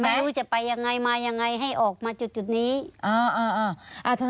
ไม่รู้จะไปยังไงมายังไงให้ออกมาจุดจุดนี้อ่าอ่า